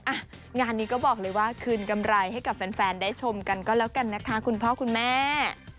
อ่ะงานนี้ก็บอกเลยว่าคืนกำไรให้กับแฟนได้ชมกันก็แล้วกันนะคะคุณพ่อคุณแม่